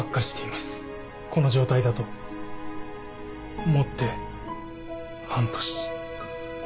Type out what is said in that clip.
この状態だと持って半年。